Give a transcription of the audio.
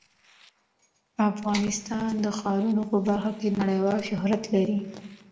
افغانستان د ښارونه په برخه کې نړیوال شهرت لري.